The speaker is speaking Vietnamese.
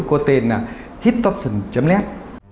của tên là hitoption net